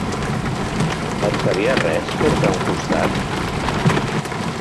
Et faria res fer-te a un costat?